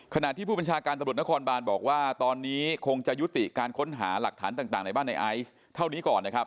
ขณะที่ผู้บัญชาการตำรวจนครบานบอกว่าตอนนี้คงจะยุติการค้นหาหลักฐานต่างในบ้านในไอซ์เท่านี้ก่อนนะครับ